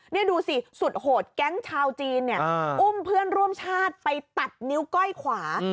นี่ดูสิสุดโหดแก๊งชาวจีนเนี่ยอุ้มเพื่อนร่วมชาติไปตัดนิ้วก้อยขวา